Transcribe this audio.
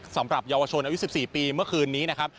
สำหรับเยาวชนอายุ๑๔ปีเมื่อคืนนี้นะครับ